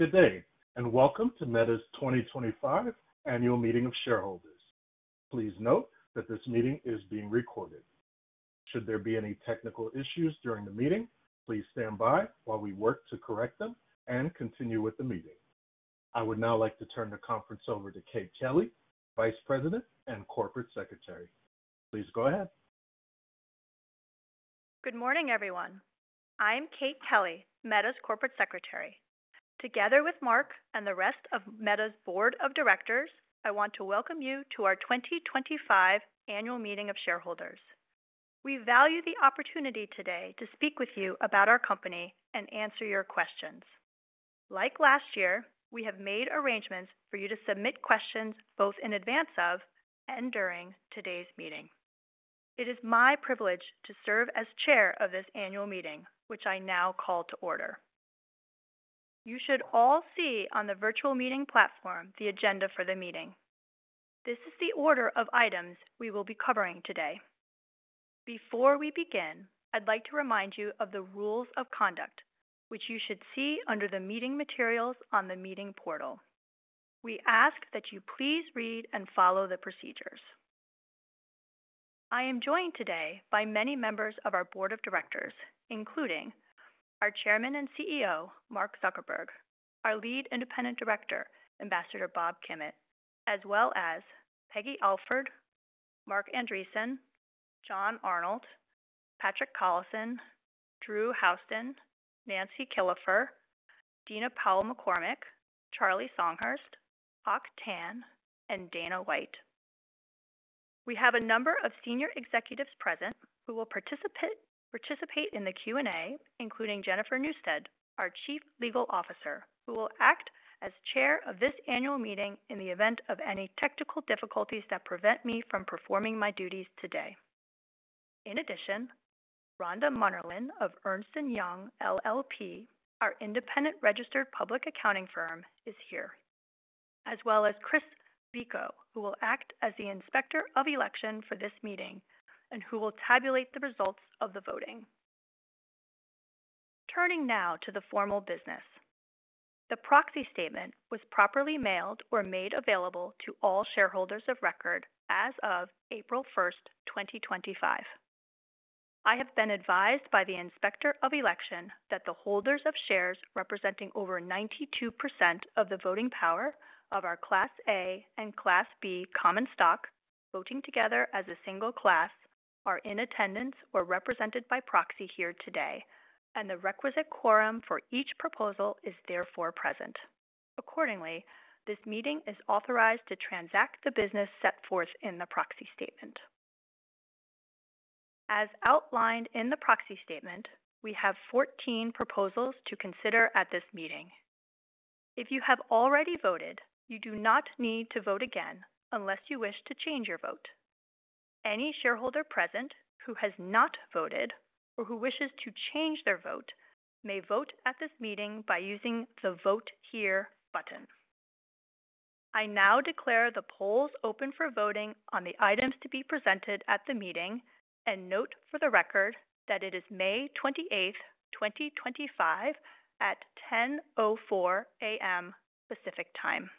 Good day, and welcome to Meta's 2025 Annual Meeting of Shareholders. Please note that this meeting is being recorded. Should there be any technical issues during the meeting, please stand by while we work to correct them and continue with the meeting. I would now like to turn the conference over to Kate Kelly, Vice President and Corporate Secretary. Please go ahead. Good morning, everyone. I'm Kate Kelly, Meta's Corporate Secretary. Together with Mark and the rest of Meta's Board of Directors, I want to welcome you to our 2025 Annual Meeting of Shareholders. We value the opportunity today to speak with you about our company and answer your questions. Like last year, we have made arrangements for you to submit questions both in advance of and during today's meeting. It is my privilege to serve as Chair of this Annual Meeting, which I now call to order. You should all see on the virtual meeting platform the agenda for the meeting. This is the order of items we will be covering today. Before we begin, I'd like to remind you of the Rules of Conduct, which you should see under the meeting materials on the meeting portal. We ask that you please read and follow the procedures. I am joined today by many members of our Board of Directors, including our Chairman and CEO, Mark Zuckerberg; our Lead Independent Director, Ambassador Bob Kimmitt; as well as Peggy Alford, Mark Andreessen, John Arnold, Patrick Collison, Drew Houston, Nancy Killifer, Dina Powell-McCormick, Charlie Songhurst, Hawk Tan, and Dana White. We have a number of senior executives present who will participate in the Q&A, including Jennifer Newstead, our Chief Legal Officer, who will act as Chair of this Annual Meeting in the event of any technical difficulties that prevent me from performing my duties today. In addition, Rhonda Munerlin of Ernst & Young LLP, our independent registered public accounting firm, is here, as well as Chris Vico, who will act as the Inspector of Election for this meeting and who will tabulate the results of the voting. Turning now to the formal business. The proxy statement was properly mailed or made available to all shareholders of record as of April 1, 2025. I have been advised by the Inspector of Election that the holders of shares representing over 92% of the voting power of our Class A and Class B common stock, voting together as a single class, are in attendance or represented by proxy here today, and the requisite quorum for each proposal is therefore present. Accordingly, this meeting is authorized to transact the business set forth in the proxy statement. As outlined in the proxy statement, we have 14 proposals to consider at this meeting. If you have already voted, you do not need to vote again unless you wish to change your vote. Any shareholder present who has not voted or who wishes to change their vote may vote at this meeting by using the Vote Here button. I now declare the polls open for voting on the items to be presented at the meeting and note for the record that it is May 28th, 2025 at 10:04 A.M. Pacific Time.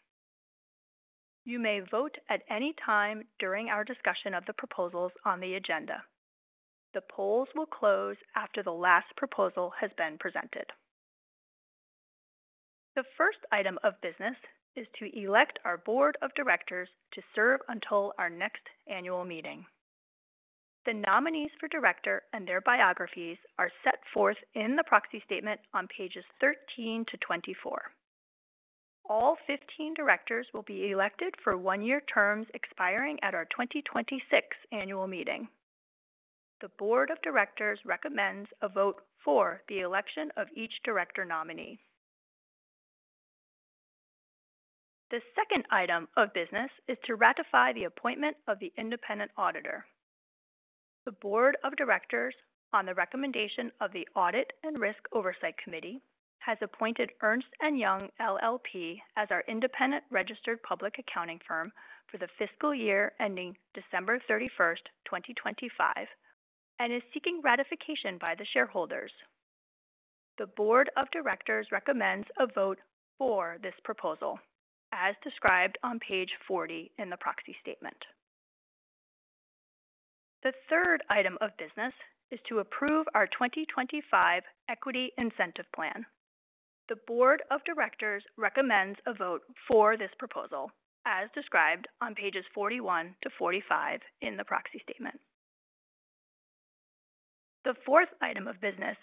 You may vote at any time during our discussion of the proposals on the agenda. The polls will close after the last proposal has been presented. The first item of business is to elect our Board of Directors to serve until our next Annual Meeting. The nominees for Director and their biographies are set forth in the proxy statement on pages 13 to 24. All 15 directors will be elected for one-year terms expiring at our 2026 Annual Meeting. The Board of Directors recommends a vote for the election of each director nominee. The second item of business is to ratify the appointment of the independent auditor. The Board of Directors, on the recommendation of the Audit and Risk Oversight Committee, has appointed Ernst & Young LLP as our independent registered public accounting firm for the fiscal year ending December 31, 2025, and is seeking ratification by the shareholders. The Board of Directors recommends a vote for this proposal, as described on page 40 in the proxy statement. The third item of business is to approve our 2025 Equity Incentive Plan. The Board of Directors recommends a vote for this proposal, as described on pages 41-45 in the proxy statement. The fourth item of business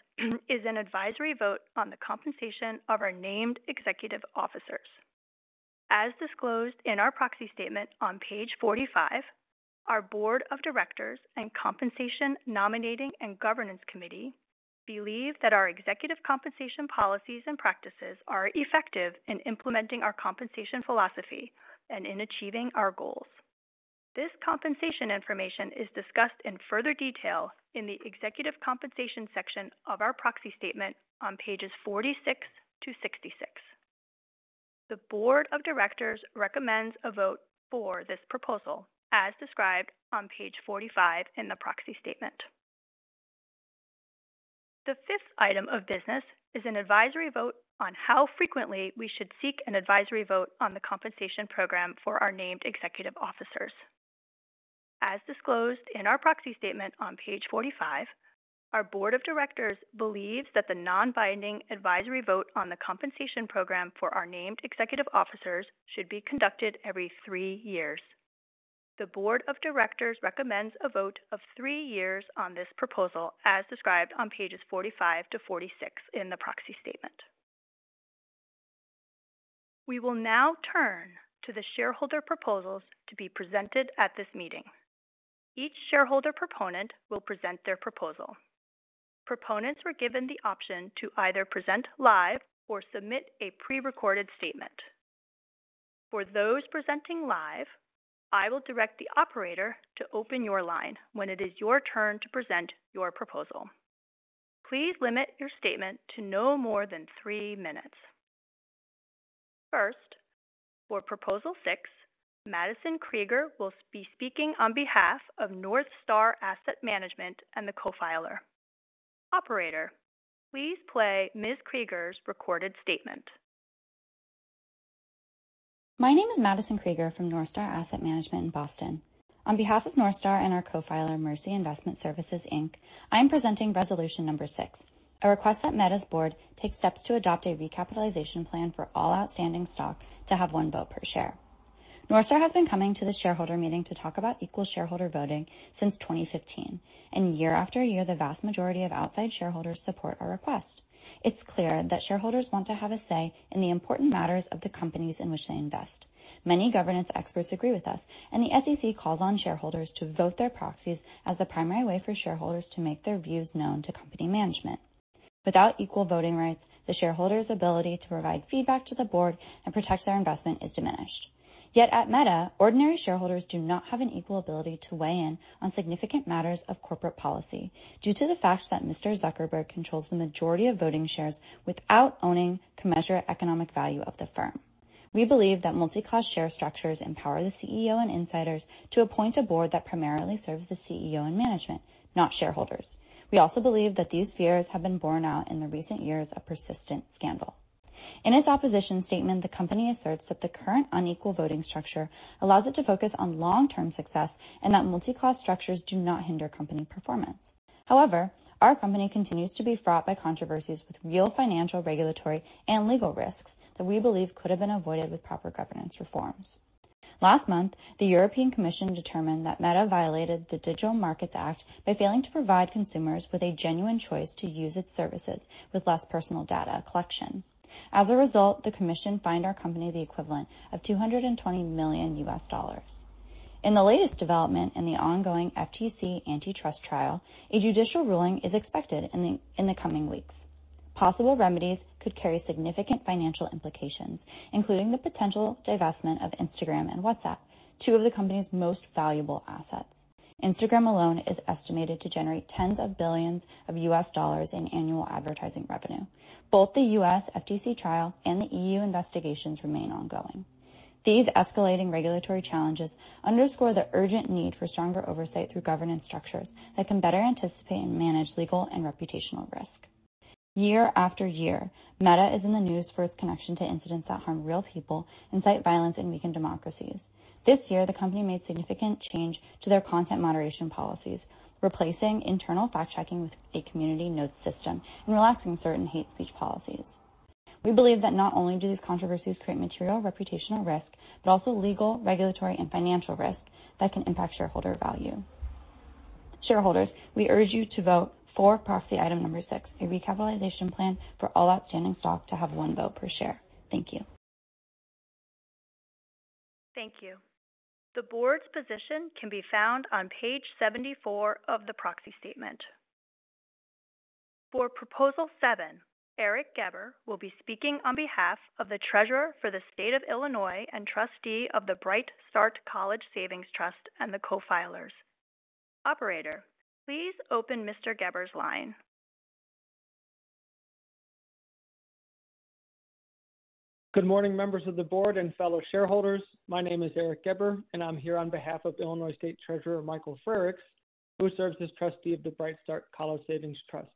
is an advisory vote on the compensation of our named executive officers. As disclosed in our proxy statement on page 45, our Board of Directors and Compensation Nominating and Governance Committee believe that our executive compensation policies and practices are effective in implementing our compensation philosophy and in achieving our goals. This compensation information is discussed in further detail in the executive compensation section of our proxy statement on pages 46 to 66. The Board of Directors recommends a vote for this proposal, as described on page 45 in the proxy statement. The fifth item of business is an advisory vote on how frequently we should seek an advisory vote on the compensation program for our named executive officers. As disclosed in our proxy statement on page 45, our Board of Directors believes that the non-binding advisory vote on the compensation program for our named executive officers should be conducted every three years. The Board of Directors recommends a vote of three years on this proposal, as described on pages 45 to 46 in the proxy statement. We will now turn to the shareholder proposals to be presented at this meeting. Each shareholder proponent will present their proposal. Proponents were given the option to either present live or submit a prerecorded statement. For those presenting live, I will direct the operator to open your line when it is your turn to present your proposal. Please limit your statement to no more than three minutes. First, for Proposal 6, Madison Krieger will be speaking on behalf of Northstar Asset Management and the co-filer. Operator, please play Ms. Krieger's recorded statement. My name is Madison Krieger from Northstar Asset Management in Boston. On behalf of Northstar and our co-filer, Mercy Investment Services, I am presenting Resolution Number Six, a request that Meta's board take steps to adopt a recapitalization plan for all outstanding stock to have one vote per share. Northstar has been coming to the shareholder meeting to talk about equal shareholder voting since 2015, and year after year, the vast majority of outside shareholders support our request. It's clear that shareholders want to have a say in the important matters of the companies in which they invest. Many governance experts agree with us, and the SEC calls on shareholders to vote their proxies as the primary way for shareholders to make their views known to company management. Without equal voting rights, the shareholders' ability to provide feedback to the board and protect their investment is diminished. Yet at Meta, ordinary shareholders do not have an equal ability to weigh in on significant matters of corporate policy due to the fact that Mr. Zuckerberg controls the majority of voting shares without owning commensurate economic value of the firm. We believe that multi-class share structures empower the CEO and insiders to appoint a board that primarily serves the CEO and management, not shareholders. We also believe that these fears have been borne out in the recent years of persistent scandal. In its opposition statement, the company asserts that the current unequal voting structure allows it to focus on long-term success and that multi-class structures do not hinder company performance. However, our company continues to be fraught by controversies with real financial, regulatory, and legal risks that we believe could have been avoided with proper governance reforms. Last month, the European Commission determined that Meta violated the Digital Markets Act by failing to provide consumers with a genuine choice to use its services with less personal data collection. As a result, the Commission fined our company the equivalent of $220 million. In the latest development in the ongoing FTC antitrust trial, a judicial ruling is expected in the coming weeks. Possible remedies could carry significant financial implications, including the potential divestment of Instagram and WhatsApp, two of the company's most valuable assets. Instagram alone is estimated to generate tens of billions of dollars in annual advertising revenue. Both the U.S. FTC trial and the EU investigations remain ongoing. These escalating regulatory challenges underscore the urgent need for stronger oversight through governance structures that can better anticipate and manage legal and reputational risk. Year after year, Meta is in the news for its connection to incidents that harm real people, incite violence, and weaken democracies. This year, the company made significant change to their content moderation policies, replacing internal fact-checking with a community notes system and relaxing certain hate speech policies. We believe that not only do these controversies create material reputational risk, but also legal, regulatory, and financial risk that can impact shareholder value. Shareholders, we urge you to vote for Proxy Item Number Six, a recapitalization plan for all outstanding stock to have one vote per share. Thank you. Thank you. The board's position can be found on page 74 of the proxy statement. For Proposal 7, Eric Geber will be speaking on behalf of the Treasurer for the State of Illinois and Trustee of the Bright Start College Savings Trust and the co-filers. Operator, please open Mr. Geber's line. Good morning, members of the board and fellow shareholders. My name is Eric Geber, and I'm here on behalf of Illinois State Treasurer Michael Farix, who serves as Trustee of the Bright Start College Savings Trust.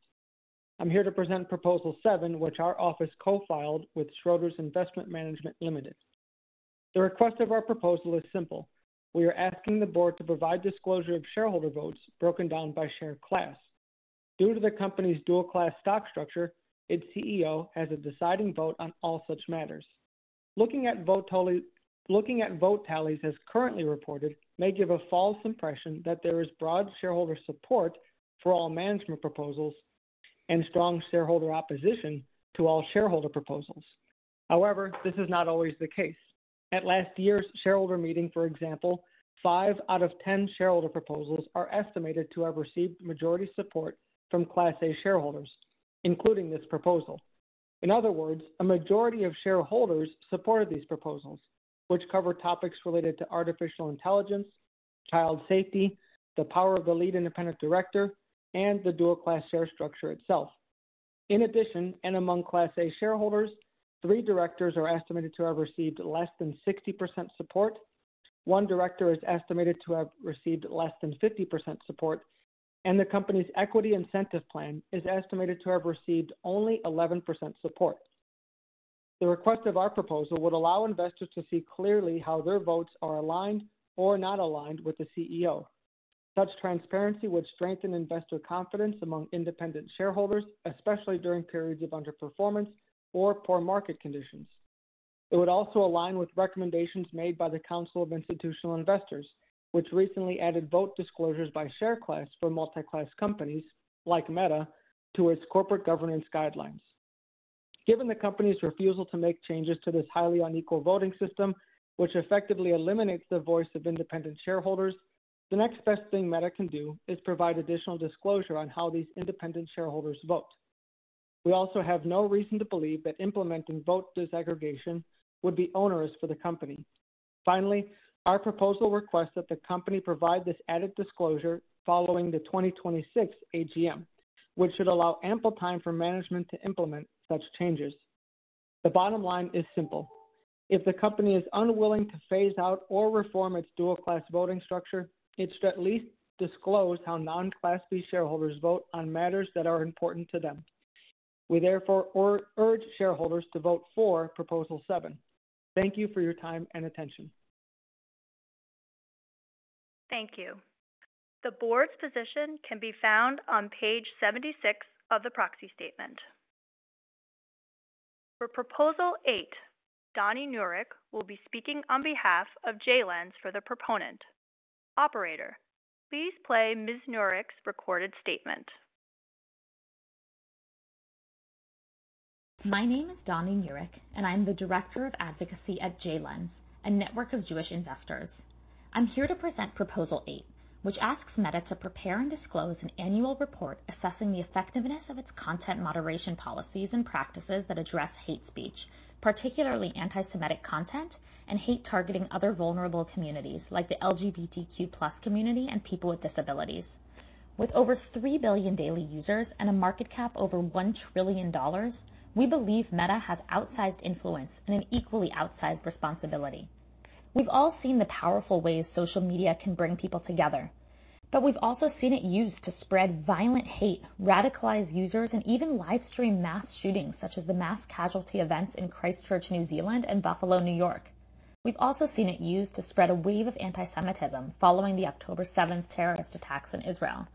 I'm here to present Proposal 7, which our office co-filed with Schroders Investment Management Limited. The request of our proposal is simple. We are asking the board to provide disclosure of shareholder votes broken down by share class. Due to the company's dual-class stock structure, its CEO has a deciding vote on all such matters. Looking at vote tallies as currently reported may give a false impression that there is broad shareholder support for all management proposals and strong shareholder opposition to all shareholder proposals. However, this is not always the case. At last year's shareholder meeting, for example, five out of ten shareholder proposals are estimated to have received majority support from Class A shareholders, including this proposal. In other words, a majority of shareholders supported these proposals, which cover topics related to artificial intelligence, child safety, the power of the lead independent director, and the dual-class share structure itself. In addition, and among Class A shareholders, three directors are estimated to have received less than 60% support, one director is estimated to have received less than 50% support, and the company's equity incentive plan is estimated to have received only 11% support. The request of our proposal would allow investors to see clearly how their votes are aligned or not aligned with the CEO. Such transparency would strengthen investor confidence among independent shareholders, especially during periods of underperformance or poor market conditions. It would also align with recommendations made by the Council of Institutional Investors, which recently added vote disclosures by share class for multi-class companies like Meta to its corporate governance guidelines. Given the company's refusal to make changes to this highly unequal voting system, which effectively eliminates the voice of independent shareholders, the next best thing Meta can do is provide additional disclosure on how these independent shareholders vote. We also have no reason to believe that implementing vote desegregation would be onerous for the company. Finally, our proposal requests that the company provide this added disclosure following the 2026 AGM, which should allow ample time for management to implement such changes. The bottom line is simple. If the company is unwilling to phase out or reform its dual-class voting structure, it should at least disclose how non-class B shareholders vote on matters that are important to them. We therefore urge shareholders to vote for Proposal 7. Thank you for your time and attention. Thank you. The board's position can be found on page 76 of the proxy statement. For Proposal 8, Dani Nurik will be speaking on behalf of Jay Lens for the proponent. Operator, please play Ms. Nurik's recorded statement. My name is Dani Nurik, and I'm the Director of Advocacy at Jay Lens, a network of Jewish investors. I'm here to present Proposal 8, which asks Meta to prepare and disclose an annual report assessing the effectiveness of its content moderation policies and practices that address hate speech, particularly anti-Semitic content, and hate targeting other vulnerable communities like the LGBTQ+ community and people with disabilities. With over 3 billion daily users and a market cap over $1 trillion, we believe Meta has outsized influence and an equally outsized responsibility. We've all seen the powerful ways social media can bring people together, but we've also seen it used to spread violent hate, radicalize users, and even live-stream mass shootings such as the mass casualty events in Christchurch, New Zealand, and Buffalo, New York. We've also seen it used to spread a wave of anti-Semitism following the October 7th terrorist attacks in Israel.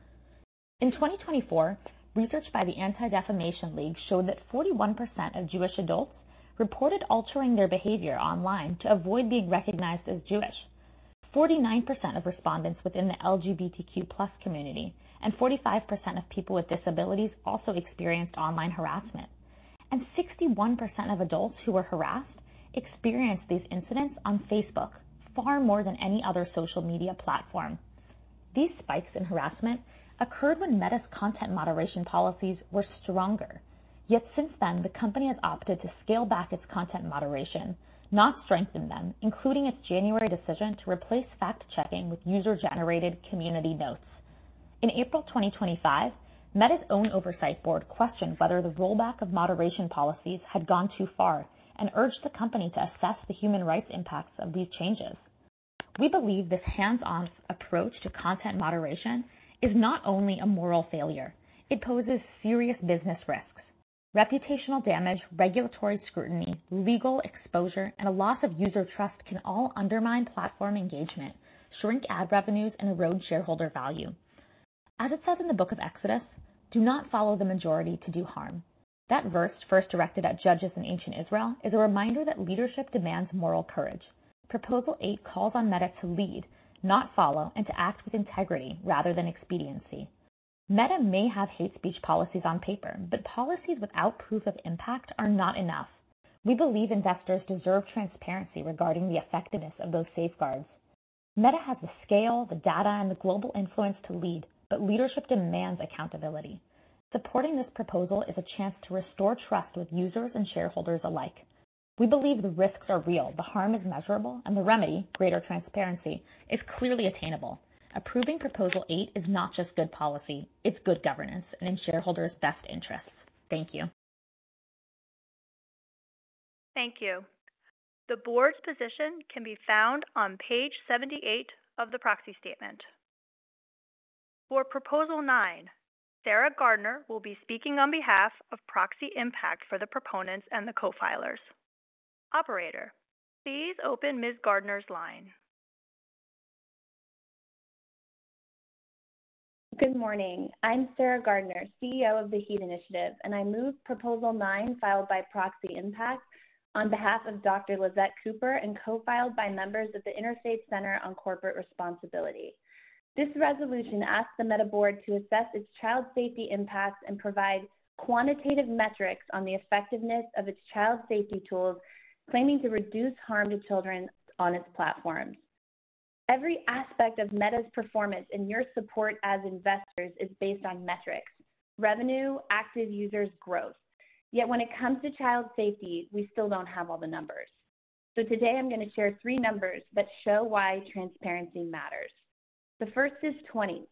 In 2024, research by the Anti-Defamation League showed that 41% of Jewish adults reported altering their behavior online to avoid being recognized as Jewish. 49% of respondents within the LGBTQ+ community and 45% of people with disabilities also experienced online harassment. 61% of adults who were harassed experienced these incidents on Facebook, far more than any other social media platform. These spikes in harassment occurred when Meta's content moderation policies were stronger. Yet since then, the company has opted to scale back its content moderation, not strengthen them, including its January decision to replace fact-checking with user-generated community notes. In April 2025, Meta's own oversight board questioned whether the rollback of moderation policies had gone too far and urged the company to assess the human rights impacts of these changes. We believe this hands-on approach to content moderation is not only a moral failure. It poses serious business risks. Reputational damage, regulatory scrutiny, legal exposure, and a loss of user trust can all undermine platform engagement, shrink ad revenues, and erode shareholder value. As it says in the Book of Exodus, "Do not follow the majority to do harm." That verse, first directed at judges in ancient Israel, is a reminder that leadership demands moral courage. Proposal 8 calls on Meta to lead, not follow, and to act with integrity rather than expediency. Meta may have hate speech policies on paper, but policies without proof of impact are not enough. We believe investors deserve transparency regarding the effectiveness of those safeguards. Meta has the scale, the data, and the global influence to lead, but leadership demands accountability. Supporting this proposal is a chance to restore trust with users and shareholders alike. We believe the risks are real, the harm is measurable, and the remedy, greater transparency, is clearly attainable. Approving Proposal 8 is not just good policy, it's good governance and in shareholders' best interests. Thank you. Thank you. The board's position can be found on page 78 of the proxy statement. For Proposal 9, Sarah Gardner will be speaking on behalf of Proxy Impact for the proponents and the co-filers. Operator, please open Ms. Gardner's line. Good morning. I'm Sarah Gardner, CEO of the Heat Initiative, and I move Proposal 9, filed by Proxy Impact, on behalf of Dr. Lizette Cooper and co-filed by members of the Interstate Center on Corporate Responsibility. This resolution asks the Meta board to assess its child safety impacts and provide quantitative metrics on the effectiveness of its child safety tools claiming to reduce harm to children on its platforms. Every aspect of Meta's performance and your support as investors is based on metrics: revenue, active users, growth. Yet when it comes to child safety, we still don't have all the numbers. Today I'm going to share three numbers that show why transparency matters. The first is 20.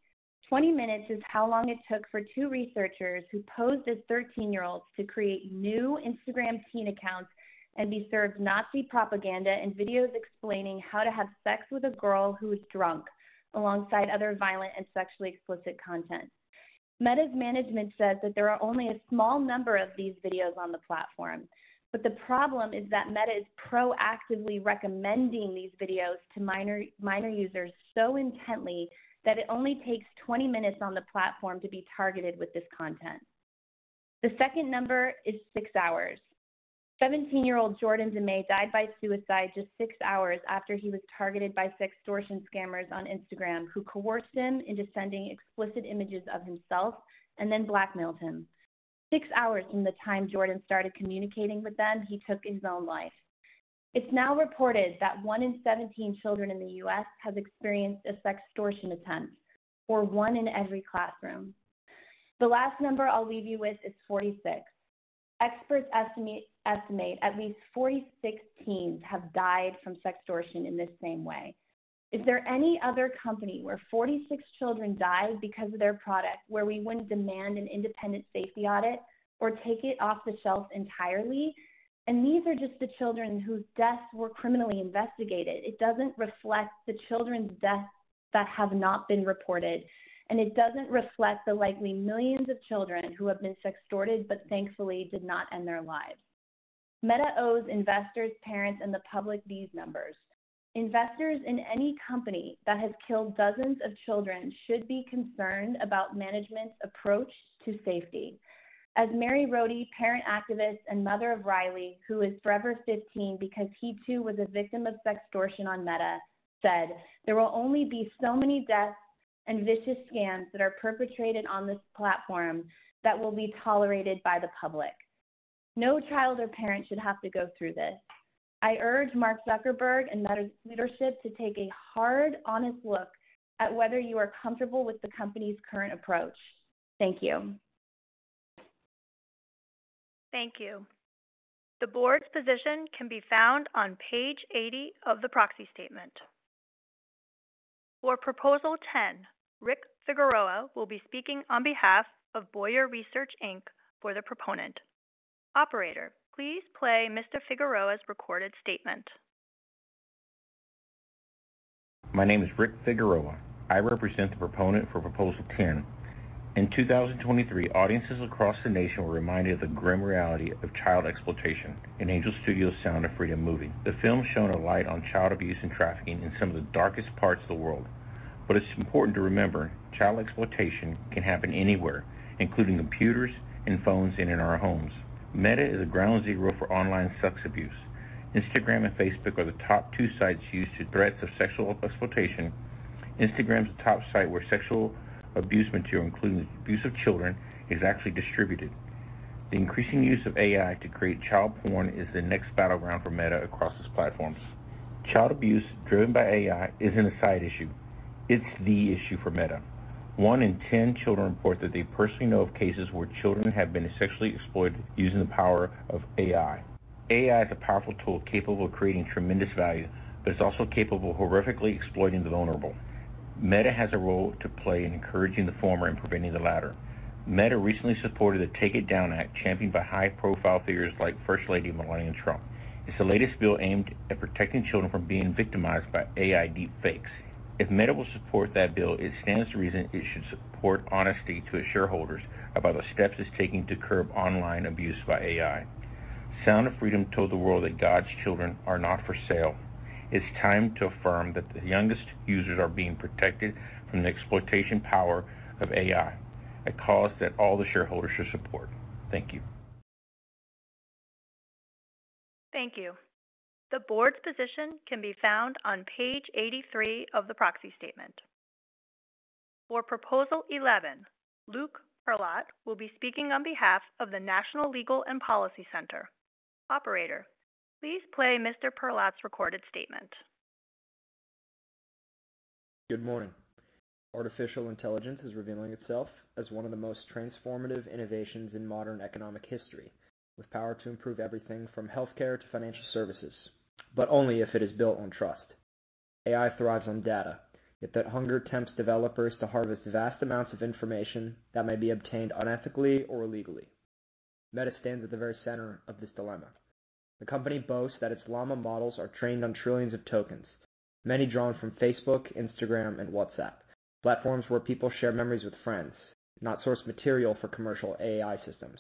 Twenty minutes is how long it took for two researchers who posed as 13-year-olds to create new Instagram teen accounts and be served Nazi propaganda and videos explaining how to have sex with a girl who is drunk, alongside other violent and sexually explicit content. Meta's management says that there are only a small number of these videos on the platform, but the problem is that Meta is proactively recommending these videos to minor users so intently that it only takes twenty minutes on the platform to be targeted with this content. The second number is six hours. Seventeen-year-old Jordan Demay died by suicide just six hours after he was targeted by six extortion scammers on Instagram who coerced him into sending explicit images of himself and then blackmailed him. Six hours from the time Jordan started communicating with them, he took his own life. It's now reported that one in 17 children in the U.S. has experienced a sextortion attempt for one in every classroom. The last number I'll leave you with is 46. Experts estimate at least 46 teens have died from sextortion in this same way. Is there any other company where 46 children died because of their product where we wouldn't demand an independent safety audit or take it off the shelf entirely? These are just the children whose deaths were criminally investigated. It doesn't reflect the children's deaths that have not been reported, and it doesn't reflect the likely millions of children who have been sextorted but thankfully did not end their lives. Meta owes investors, parents, and the public these numbers. Investors in any company that has killed dozens of children should be concerned about management's approach to safety. As Mary Rohde, parent activist and mother of Riley, who is forever 15 because he too was a victim of sextortion on Meta, said, "There will only be so many deaths and vicious scams that are perpetrated on this platform that will be tolerated by the public. No child or parent should have to go through this." I urge Mark Zuckerberg and Meta's leadership to take a hard, honest look at whether you are comfortable with the company's current approach. Thank you. Thank you. The board's position can be found on page 80 of the proxy statement. For Proposal 10, Rick [Figaroa] will be speaking on behalf of Boyer Research Inc. for the proponent. Operator, please play Mr. [Figaroa's] recorded statement. My name is Rick Figaroa. I represent the proponent for Proposal 10. In 2023, audiences across the nation were reminded of the grim reality of child exploitation in Angel Studios' Sound of Freedom movie. The film shone a light on child abuse and trafficking in some of the darkest parts of the world. It is important to remember child exploitation can happen anywhere, including computers and phones in and in our homes. Meta is a ground zero for online sex abuse. Instagram and Facebook are the top two sites used to threat of sexual exploitation. Instagram is the top site where sexual abuse material, including the abuse of children, is actually distributed. The increasing use of AI to create child porn is the next battleground for Meta across its platforms. Child abuse driven by AI isn't a side issue. It's the issue for Meta. One in 10 children report that they personally know of cases where children have been sexually exploited using the power of AI. AI is a powerful tool capable of creating tremendous value, but it's also capable of horrifically exploiting the vulnerable. Meta has a role to play in encouraging the former and preventing the latter. Meta recently supported the Take It Down Act, championed by high-profile figures like First Lady Melania Trump. It's the latest bill aimed at protecting children from being victimized by AI deepfakes. If Meta will support that bill, it stands to reason it should support honesty to its shareholders about the steps it's taking to curb online abuse by AI. Sound of Freedom told the world that God's children are not for sale. It's time to affirm that the youngest users are being protected from the exploitation power of AI. A cause that all the shareholders should support. Thank you. Thank you. The board's position can be found on page 83 of the proxy statement. For Proposal 11, Luke [Perlatt] will be speaking on behalf of the National Legal and Policy Center. Operator, please play Mr. Perlatt's recorded statement. Good morning. Artificial intelligence is revealing itself as one of the most transformative innovations in modern economic history, with power to improve everything from healthcare to financial services, but only if it is built on trust. AI thrives on data, yet that hunger tempts developers to harvest vast amounts of information that may be obtained unethically or illegally. Meta stands at the very center of this dilemma. The company boasts that its Llama models are trained on trillions of tokens, many drawn from Facebook, Instagram, and WhatsApp, platforms where people share memories with friends, not source material for commercial AI systems.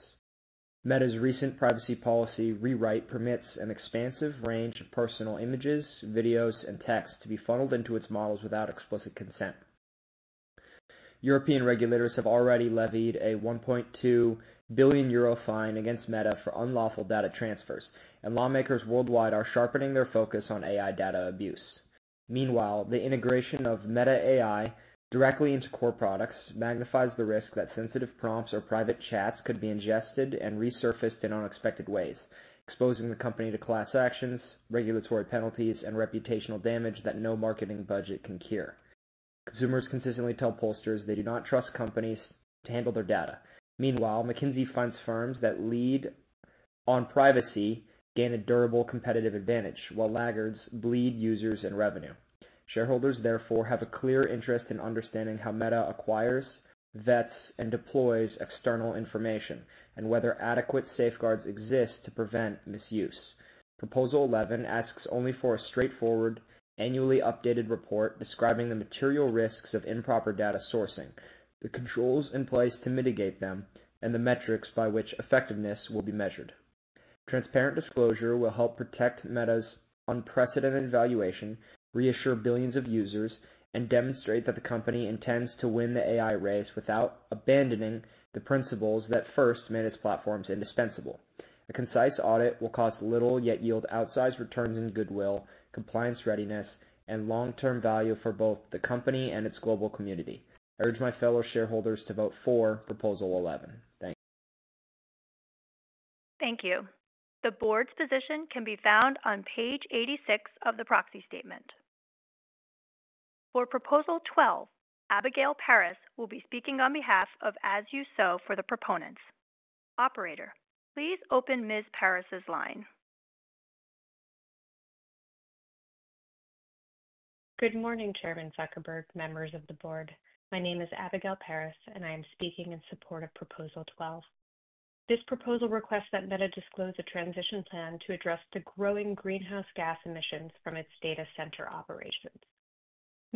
Meta's recent privacy policy rewrite permits an expansive range of personal images, videos, and texts to be funneled into its models without explicit consent. European regulators have already levied a 1.2 billion euro fine against Meta for unlawful data transfers, and lawmakers worldwide are sharpening their focus on AI data abuse. Meanwhile, the integration of Meta AI directly into core products magnifies the risk that sensitive prompts or private chats could be ingested and resurfaced in unexpected ways, exposing the company to class actions, regulatory penalties, and reputational damage that no marketing budget can cure. Consumers consistently tell pollsters they do not trust companies to handle their data. Meanwhile, McKinsey finds firms that lead on privacy gain a durable competitive advantage, while laggards bleed users and revenue. Shareholders, therefore, have a clear interest in understanding how Meta acquires, vets, and deploys external information, and whether adequate safeguards exist to prevent misuse. Proposal 11 asks only for a straightforward, annually updated report describing the material risks of improper data sourcing, the controls in place to mitigate them, and the metrics by which effectiveness will be measured. Transparent disclosure will help protect Meta's unprecedented valuation, reassure billions of users, and demonstrate that the company intends to win the AI race without abandoning the principles that first made its platforms indispensable. A concise audit will cost little, yet yield outsized returns in goodwill, compliance readiness, and long-term value for both the company and its global community. I urge my fellow shareholders to vote for Proposal 11. Thank you. Thank you. The board's position can be found on page 86 of the proxy statement. For Proposal 12, Abigail Paris will be speaking on behalf of As You Sow for the proponents. Operator, please open Ms. Paris's line. Good morning, Chairman Zuckerberg, members of the board. My name is Abigail Paris, and I am speaking in support of Proposal 12. This proposal requests that Meta disclose a transition plan to address the growing greenhouse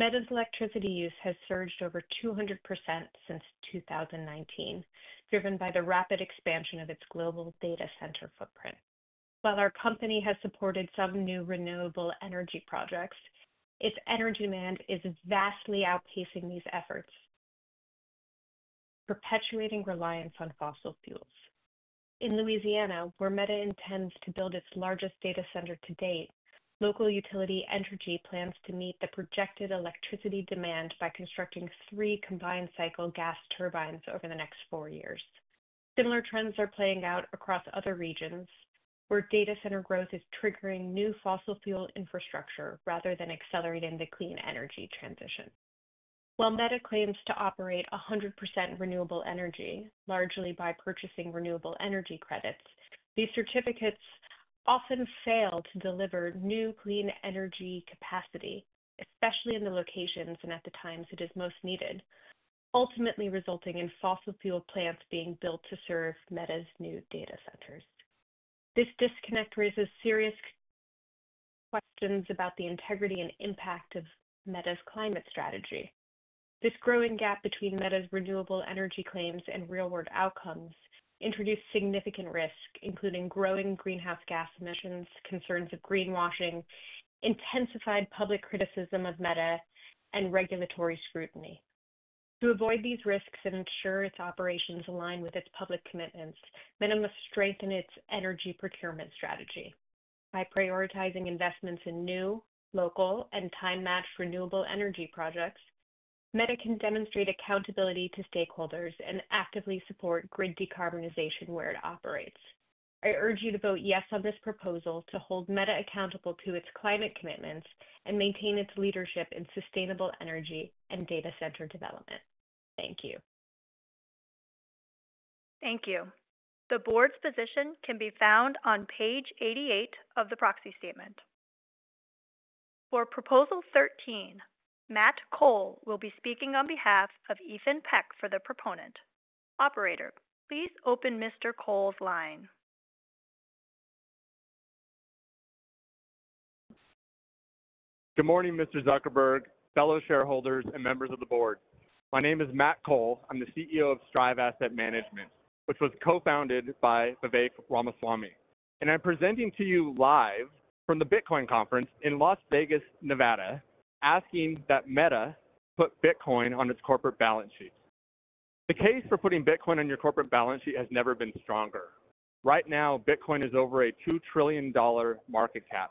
gas emissions from its data center operations. Meta's electricity use has surged over 200% since 2019, driven by the rapid expansion of its global data center footprint. While our company has supported some new renewable energy projects, its energy demand is vastly outpacing these efforts, perpetuating reliance on fossil fuels. In Louisiana, where Meta intends to build its largest data center to date, local utility Entergy plans to meet the projected electricity demand by constructing three combined cycle gas turbines over the next four years. Similar trends are playing out across other regions where data center growth is triggering new fossil fuel infrastructure rather than accelerating the clean energy transition. While Meta claims to operate 100% renewable energy, largely by purchasing renewable energy credits, these certificates often fail to deliver new clean energy capacity, especially in the locations and at the times it is most needed, ultimately resulting in fossil fuel plants being built to serve Meta's new data centers. This disconnect raises serious questions about the integrity and impact of Meta's climate strategy. This growing gap between Meta's renewable energy claims and real-world outcomes introduces significant risks, including growing greenhouse gas emissions, concerns of greenwashing, intensified public criticism of Meta, and regulatory scrutiny. To avoid these risks and ensure its operations align with its public commitments, Meta must strengthen its energy procurement strategy. By prioritizing investments in new, local, and time-matched renewable energy projects, Meta can demonstrate accountability to stakeholders and actively support grid decarbonization where it operates. I urge you to vote yes on this proposal to hold Meta accountable to its climate commitments and maintain its leadership in sustainable energy and data center development. Thank you. Thank you. The board's position can be found on page 88 of the proxy statement. For Proposal 13, Matt Cole will be speaking on behalf of Ethan Peck for the proponent. Operator, please open Mr. Cole's line. Good morning, Mr. Zuckerberg, fellow shareholders, and members of the board. My name is Matt Cole. I'm the CEO of Strive Asset Management, which was co-founded by Vivek Ramaswamy. I'm presenting to you live from the Bitcoin Conference in Las Vegas, Nevada, asking that Meta put Bitcoin on its corporate balance sheet. The case for putting Bitcoin on your corporate balance sheet has never been stronger. Right now, Bitcoin is over a $2 trillion market cap.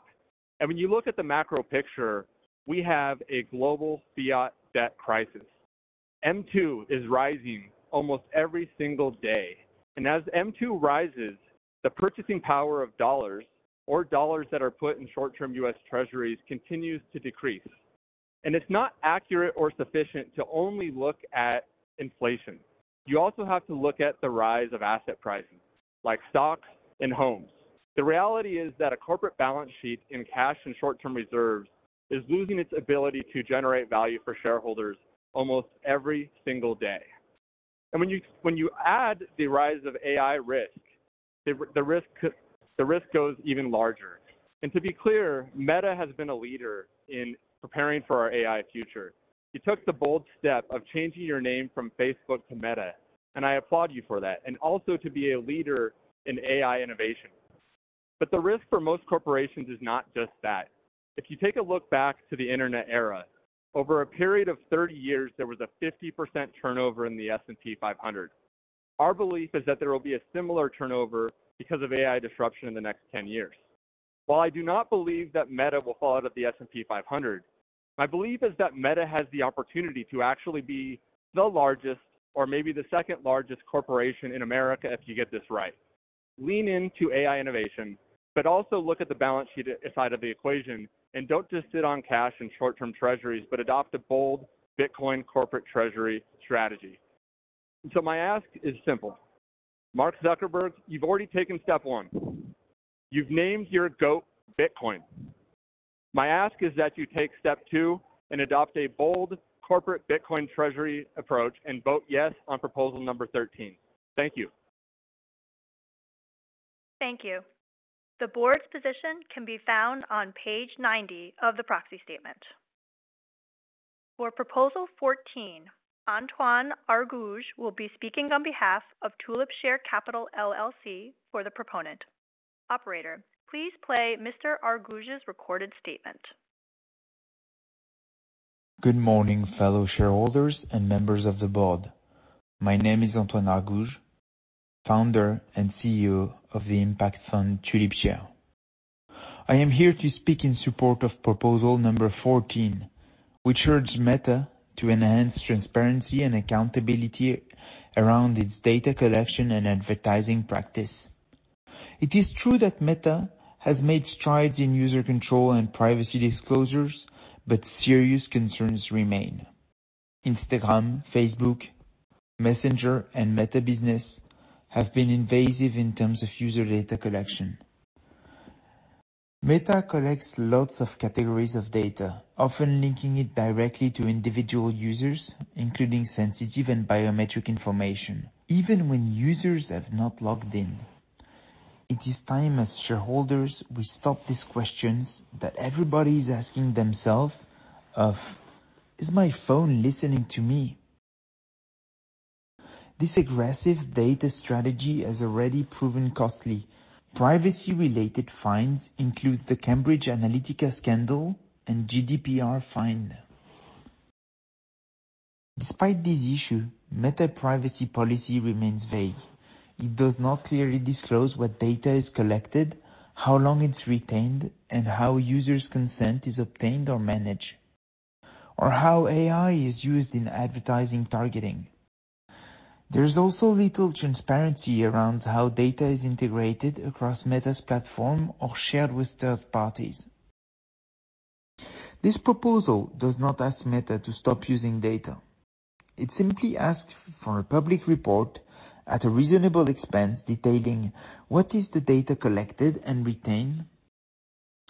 When you look at the macro picture, we have a global fiat debt crisis. M2 is rising almost every single day. As M2 rises, the purchasing power of dollars, or dollars that are put in short-term US treasuries, continues to decrease. It's not accurate or sufficient to only look at inflation. You also have to look at the rise of asset prices, like stocks and homes. The reality is that a corporate balance sheet in cash and short-term reserves is losing its ability to generate value for shareholders almost every single day. When you add the rise of AI risk, the risk goes even larger. To be clear, Meta has been a leader in preparing for our AI future. You took the bold step of changing your name from Facebook to Meta, and I applaud you for that, and also to be a leader in AI innovation. The risk for most corporations is not just that. If you take a look back to the internet era, over a period of 30 years, there was a 50% turnover in the S&P 500. Our belief is that there will be a similar turnover because of AI disruption in the next 10 years. While I do not believe that Meta will fall out of the S&P 500, my belief is that Meta has the opportunity to actually be the largest, or maybe the second largest corporation in America if you get this right. Lean into AI innovation, but also look at the balance sheet side of the equation, and do not just sit on cash and short-term treasuries, but adopt a bold Bitcoin corporate treasury strategy. My ask is simple. Mark Zuckerberg, you have already taken step one. You have named your GOAT Bitcoin. My ask is that you take step two and adopt a bold corporate Bitcoin treasury approach and vote yes on Proposal Number 13. Thank you. Thank you. The board's position can be found on page 90 of the proxy statement. For Proposal 14, Antoine Argouges will be speaking on behalf of Tulip Share Capital LLC for the proponent. Operator, please play Mr. Argouges' recorded statement. Good morning, fellow shareholders and members of the board. My name is Antoine Argouge, founder and CEO of the impact fund Tulip Share. I am here to speak in support of Proposal Number 14, which urges Meta to enhance transparency and accountability around its data collection and advertising practice. It is true that Meta has made strides in user control and privacy disclosures, but serious concerns remain. Instagram, Facebook, Messenger, and Meta Business have been invasive in terms of user data collection. Meta collects lots of categories of data, often linking it directly to individual users, including sensitive and biometric information, even when users have not logged in. It is time, as shareholders, we stop these questions that everybody is asking themselves of, "Is my phone listening to me?" This aggressive data strategy has already proven costly. Privacy-related fines include the Cambridge Analytica scandal and GDPR fine. Despite these issues, Meta's privacy policy remains vague. It does not clearly disclose what data is collected, how long it's retained, and how users' consent is obtained or managed, or how AI is used in advertising targeting. There is also little transparency around how data is integrated across Meta's platform or shared with third parties. This proposal does not ask Meta to stop using data. It simply asks for a public report at a reasonable expense detailing what data is collected and retained,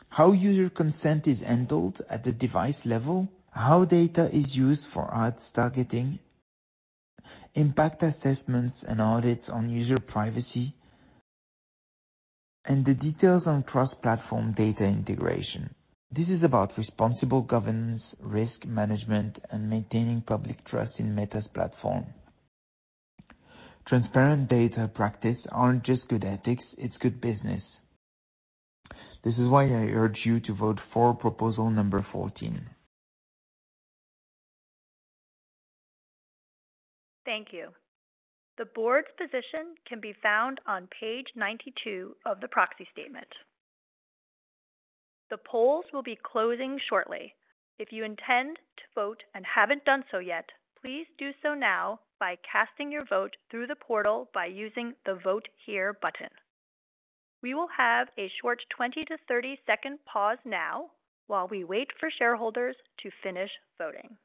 how user consent is handled at the device level, how data is used for ads targeting, impact assessments and audits on user privacy, and the details on cross-platform data integration. This is about responsible governance, risk management, and maintaining public trust in Meta's platform. Transparent data practices aren't just good ethics. It's good business. This is why I urge you to vote for Proposal Number 14. Thank you. The board's position can be found on page 92 of the proxy statement. The polls will be closing shortly. If you intend to vote and haven't done so yet, please do so now by casting your vote through the portal by using the Vote Here button. We will have a short 20- to 30-second pause now while we wait for shareholders to finish voting.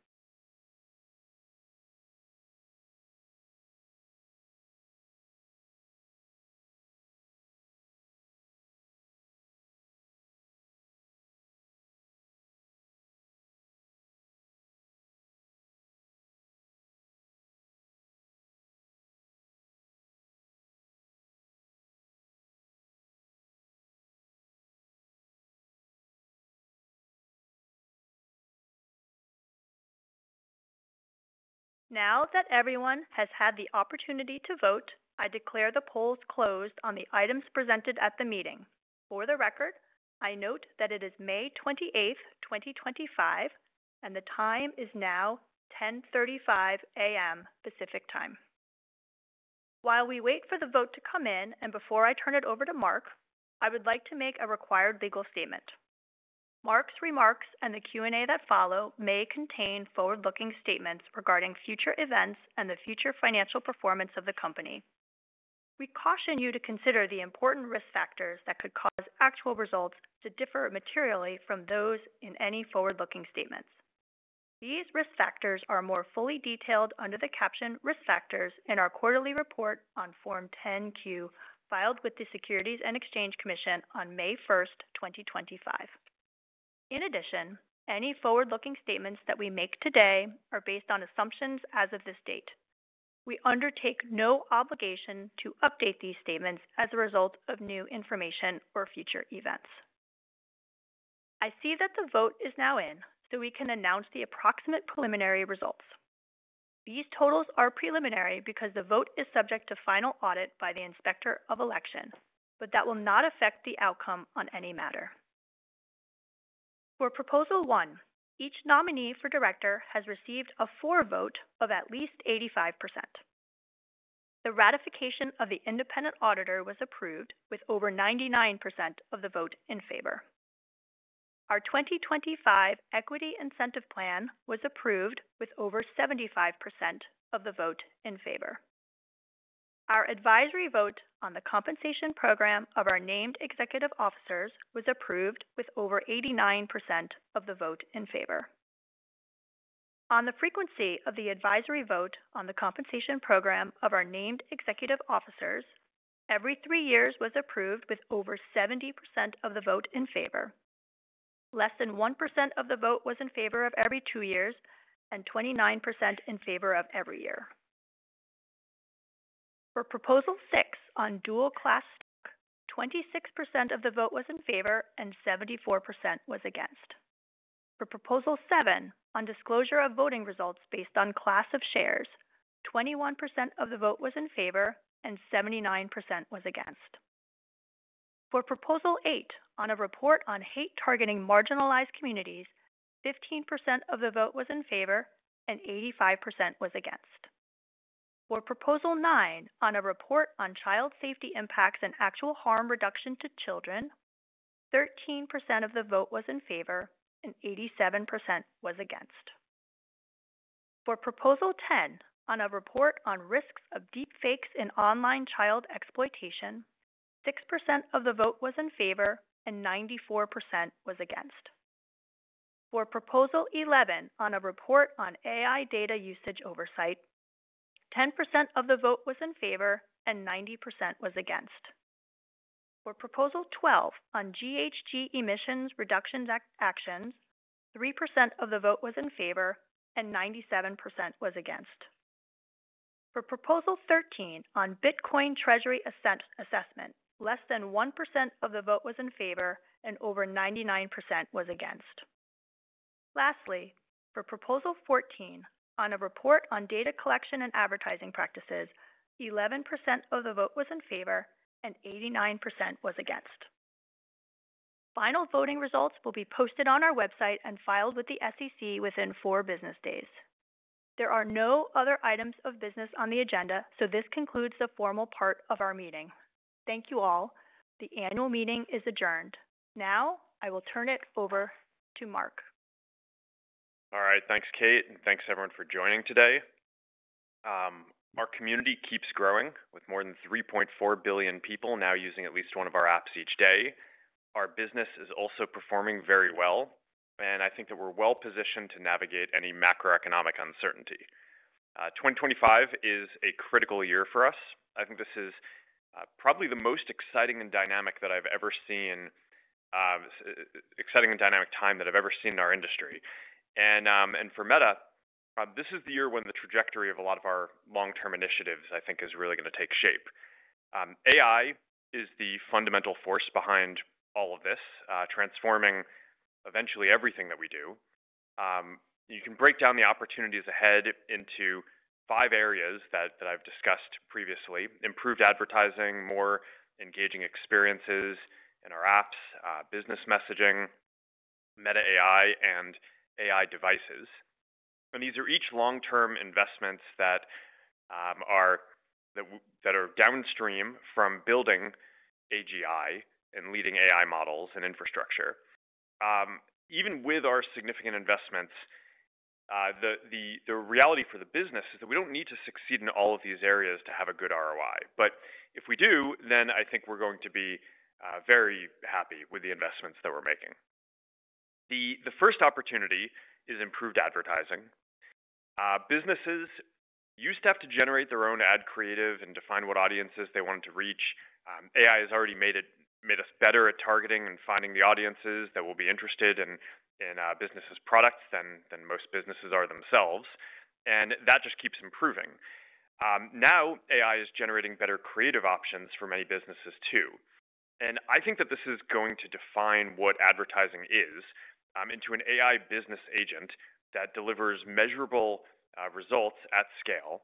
Now that everyone has had the opportunity to vote, I declare the polls closed on the items presented at the meeting. For the record, I note that it is May 28, 2025, and the time is now 10:35 A.M. Pacific Time. While we wait for the vote to come in and before I turn it over to Mark, I would like to make a required legal statement. Mark's remarks and the Q&A that follow may contain forward-looking statements regarding future events and the future financial performance of the company. We caution you to consider the important risk factors that could cause actual results to differ materially from those in any forward-looking statements. These risk factors are more fully detailed under the caption "Risk Factors" in our quarterly report on Form 10Q filed with the Securities and Exchange Commission on May 1, 2025. In addition, any forward-looking statements that we make today are based on assumptions as of this date. We undertake no obligation to update these statements as a result of new information or future events. I see that the vote is now in, so we can announce the approximate preliminary results. These totals are preliminary because the vote is subject to final audit by the inspector of election, but that will not affect the outcome on any matter. For Proposal 1, each nominee for director has received a for vote of at least 85%. The ratification of the independent auditor was approved with over 99% of the vote in favor. Our 2025 equity incentive plan was approved with over 75% of the vote in favor. Our advisory vote on the compensation program of our named executive officers was approved with over 89% of the vote in favor. On the frequency of the advisory vote on the compensation program of our named executive officers, every three years was approved with over 70% of the vote in favor. Less than 1% of the vote was in favor of every two years and 29% in favor of every year. For Proposal 6 on dual-class stock, 26% of the vote was in favor and 74% was against. For Proposal 7 on disclosure of voting results based on class of shares, 21% of the vote was in favor and 79% was against. For Proposal 8 on a report on hate targeting marginalized communities, 15% of the vote was in favor and 85% was against. For Proposal 9 on a report on child safety impacts and actual harm reduction to children, 13% of the vote was in favor and 87% was against. For Proposal 10 on a report on risks of deepfakes in online child exploitation, 6% of the vote was in favor and 94% was against. For Proposal 11 on a report on AI data usage oversight, 10% of the vote was in favor and 90% was against. For Proposal 12 on GHG emissions reduction actions, 3% of the vote was in favor and 97% was against. For Proposal 13 on Bitcoin treasury assessment, less than 1% of the vote was in favor and over 99% was against. Lastly, for Proposal 14 on a report on data collection and advertising practices, 11% of the vote was in favor and 89% was against. Final voting results will be posted on our website and filed with the SEC within four business days. There are no other items of business on the agenda, so this concludes the formal part of our meeting. Thank you all. The annual meeting is adjourned. Now I will turn it over to Mark. All right. Thanks, Kate, and thanks everyone for joining today. Our community keeps growing with more than 3.4 billion people now using at least one of our apps each day. Our business is also performing very well, and I think that we're well positioned to navigate any macroeconomic uncertainty. 2025 is a critical year for us. I think this is probably the most exciting and dynamic time that I've ever seen in our industry. For Meta, this is the year when the trajectory of a lot of our long-term initiatives, I think, is really going to take shape. AI is the fundamental force behind all of this, transforming eventually everything that we do. You can break down the opportunities ahead into five areas that I've discussed previously: improved advertising, more engaging experiences in our apps, business messaging, Meta AI, and AI devices. These are each long-term investments that are downstream from building AGI and leading AI models and infrastructure. Even with our significant investments, the reality for the business is that we do not need to succeed in all of these areas to have a good ROI. If we do, then I think we are going to be very happy with the investments that we are making. The first opportunity is improved advertising. Businesses used to have to generate their own ad creative and define what audiences they wanted to reach. AI has already made us better at targeting and finding the audiences that will be interested in businesses' products than most businesses are themselves. That just keeps improving. Now AI is generating better creative options for many businesses too. I think that this is going to define what advertising is into an AI business agent that delivers measurable results at scale.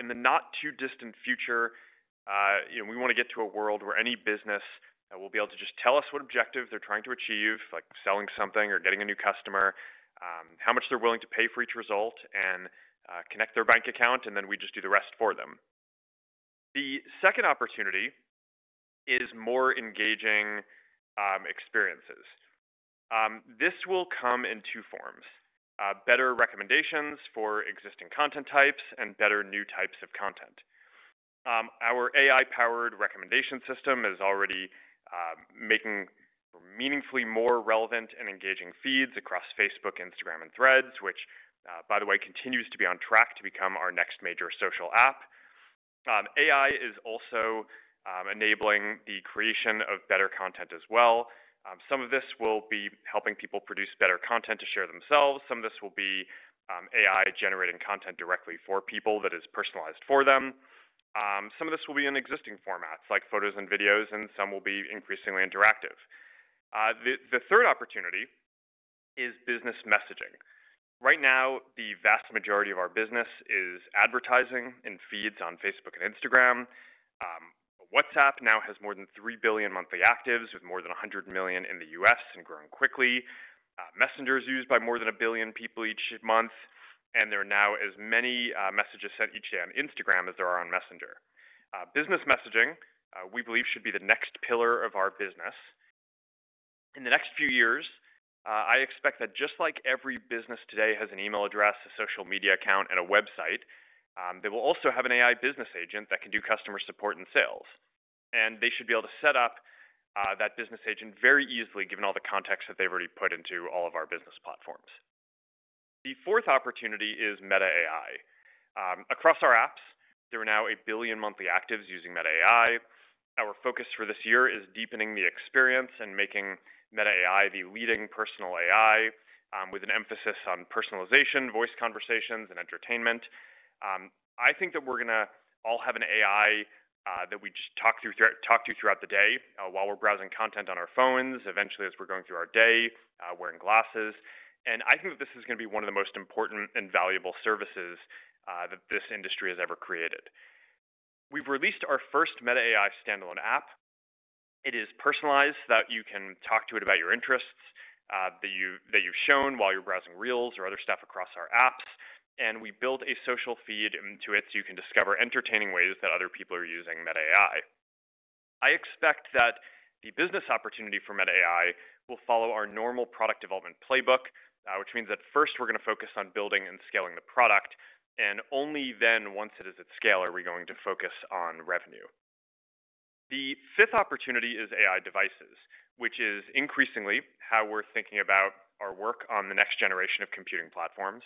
In the not-too-distant future, we want to get to a world where any business will be able to just tell us what objective they're trying to achieve, like selling something or getting a new customer, how much they're willing to pay for each result, and connect their bank account, and then we just do the rest for them. The second opportunity is more engaging experiences. This will come in two forms: better recommendations for existing content types and better new types of content. Our AI-powered recommendation system is already making meaningfully more relevant and engaging feeds across Facebook, Instagram, and Threads, which, by the way, continues to be on track to become our next major social app. AI is also enabling the creation of better content as well. Some of this will be helping people produce better content to share themselves. Some of this will be AI-generating content directly for people that is personalized for them. Some of this will be in existing formats, like photos and videos, and some will be increasingly interactive. The third opportunity is business messaging. Right now, the vast majority of our business is advertising in feeds on Facebook and Instagram. WhatsApp now has more than 3 billion monthly actives, with more than 100 million in the U.S. and growing quickly. Messenger is used by more than a billion people each month, and there are now as many messages sent each day on Instagram as there are on Messenger. Business messaging, we believe, should be the next pillar of our business. In the next few years, I expect that just like every business today has an email address, a social media account, and a website, they will also have an AI business agent that can do customer support and sales. They should be able to set up that business agent very easily, given all the context that they've already put into all of our business platforms. The fourth opportunity is Meta AI. Across our apps, there are now a billion monthly actives using Meta AI. Our focus for this year is deepening the experience and making Meta AI the leading personal AI, with an emphasis on personalization, voice conversations, and entertainment. I think that we're going to all have an AI that we just talk to throughout the day while we're browsing content on our phones, eventually as we're going through our day, wearing glasses. I think that this is going to be one of the most important and valuable services that this industry has ever created. We've released our first Meta AI standalone app. It is personalized so that you can talk to it about your interests that you've shown while you're browsing Reels or other stuff across our apps. We built a social feed into it so you can discover entertaining ways that other people are using Meta AI. I expect that the business opportunity for Meta AI will follow our normal product development playbook, which means that first we're going to focus on building and scaling the product, and only then, once it is at scale, are we going to focus on revenue. The fifth opportunity is AI devices, which is increasingly how we're thinking about our work on the next generation of computing platforms.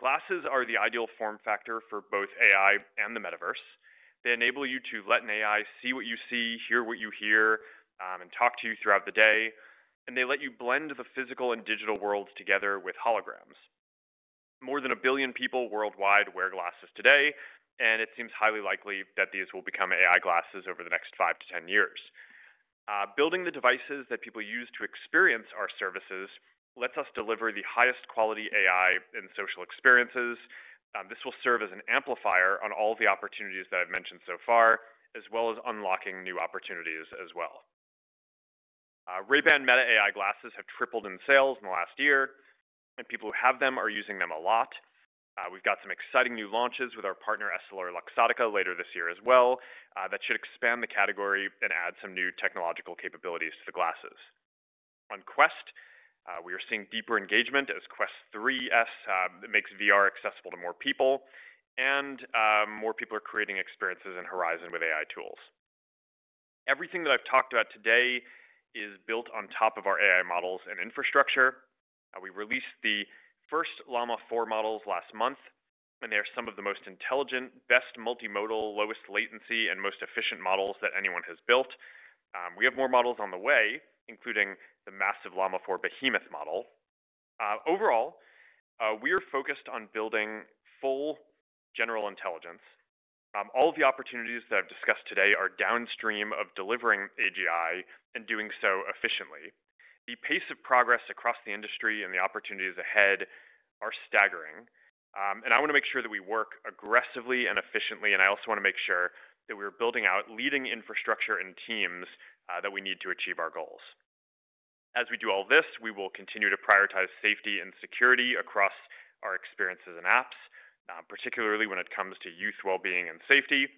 Glasses are the ideal form factor for both AI and the metaverse. They enable you to let an AI see what you see, hear what you hear, and talk to you throughout the day. They let you blend the physical and digital worlds together with holograms. More than a billion people worldwide wear glasses today, and it seems highly likely that these will become AI glasses over the next 5-10 years. Building the devices that people use to experience our services lets us deliver the highest quality AI and social experiences. This will serve as an amplifier on all the opportunities that I've mentioned so far, as well as unlocking new opportunities as well. Ray-Ban Meta AI glasses have tripled in sales in the last year, and people who have them are using them a lot. We've got some exciting new launches with our partner EssilorLuxottica later this year as well that should expand the category and add some new technological capabilities to the glasses. On Quest, we are seeing deeper engagement as Quest 3S makes VR accessible to more people, and more people are creating experiences in Horizon with AI tools. Everything that I've talked about today is built on top of our AI models and infrastructure. We released the first Llama 4 models last month, and they are some of the most intelligent, best multimodal, lowest latency, and most efficient models that anyone has built. We have more models on the way, including the massive Llama 4 behemoth model. Overall, we are focused on building full general intelligence. All of the opportunities that I've discussed today are downstream of delivering AGI and doing so efficiently. The pace of progress across the industry and the opportunities ahead are staggering. I want to make sure that we work aggressively and efficiently, and I also want to make sure that we're building out leading infrastructure and teams that we need to achieve our goals. As we do all this, we will continue to prioritize safety and security across our experiences and apps, particularly when it comes to youth well-being and safety.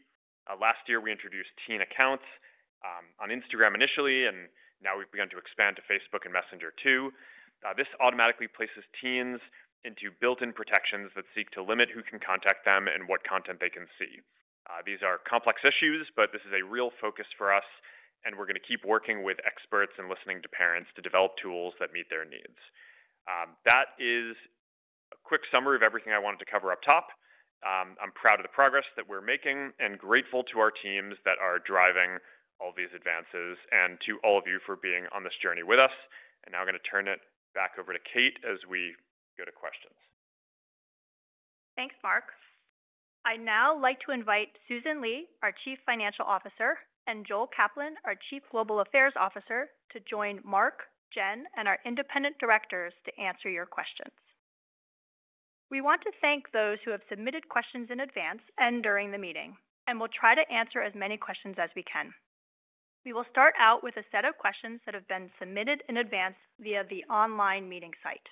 Last year, we introduced teen accounts on Instagram initially, and now we've begun to expand to Facebook and Messenger too. This automatically places teens into built-in protections that seek to limit who can contact them and what content they can see. These are complex issues, but this is a real focus for us, and we're going to keep working with experts and listening to parents to develop tools that meet their needs. That is a quick summary of everything I wanted to cover up top. I'm proud of the progress that we're making and grateful to our teams that are driving all these advances, and to all of you for being on this journey with us. Now I'm going to turn it back over to Kate as we go to questions. Thanks, Mark. I'd now like to invite Susan Li, our Chief Financial Officer, and Joel Kaplan, our Chief Global Affairs Officer, to join Mark, Jen, and our independent directors to answer your questions. We want to thank those who have submitted questions in advance and during the meeting, and we'll try to answer as many questions as we can. We will start out with a set of questions that have been submitted in advance via the online meeting site.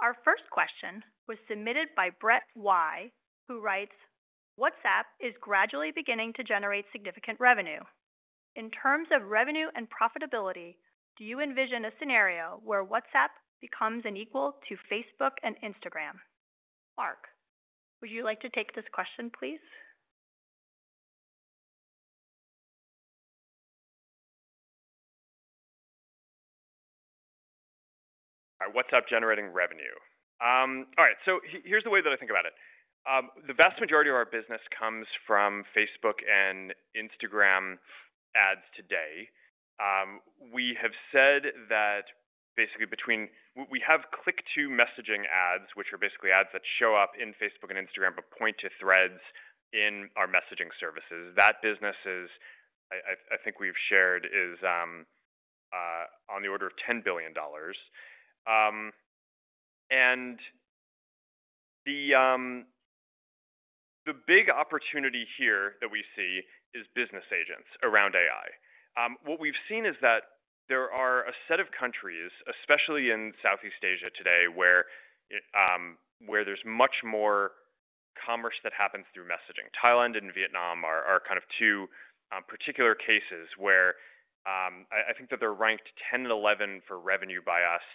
Our first question was submitted by Brett Y., who writes, "WhatsApp is gradually beginning to generate significant revenue. In terms of revenue and profitability, do you envision a scenario where WhatsApp becomes an equal to Facebook and Instagram?" Mark, would you like to take this question, please? WhatsApp generating revenue. All right. Here is the way that I think about it. The vast majority of our business comes from Facebook and Instagram ads today. We have said that basically between we have click-to-messaging ads, which are basically ads that show up in Facebook and Instagram but point to Threads in our messaging services. That business is, I think we've shared, is on the order of $10 billion. The big opportunity here that we see is business agents around AI. What we've seen is that there are a set of countries, especially in Southeast Asia today, where there is much more commerce that happens through messaging. Thailand and Vietnam are kind of two particular cases where I think that they are ranked 10 and 11 for revenue by us,